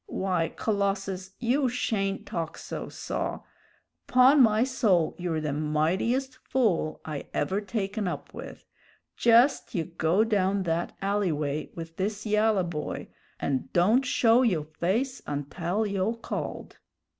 Why, Colossus, you shayn't talk so, saw. 'Pon my soul, you're the mightiest fool I ever taken up with. Jest you go down that alley way with this yalla boy, and don't show yo' face untell yo' called!"